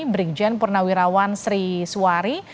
brigjen purnawirawan sri suari